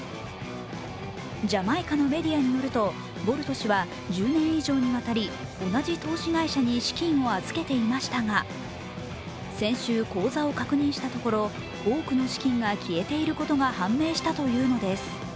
ジャマイカのメディアによるとボルト氏は１０年以上にわたり同じ投資会社に資金を預けていましたが先週、口座を確認したところ多くの資金が消えていることが判明したというのです。